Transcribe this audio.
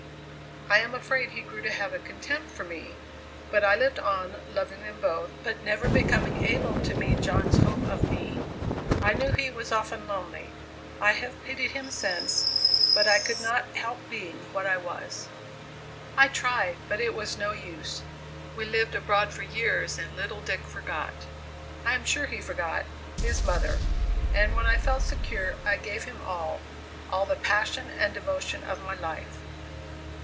I am afraid he grew to have a contempt for me, but I lived on loving them both, but never becoming able to meet John's hope of me. I knew he was often lonely I have pitied him since but I could not help being what I was. "I tried, but it was no use. We lived abroad for years, and little Dick forgot I am sure he forgot his mother, and when I felt secure I gave him all, all the passion and devotion of my life.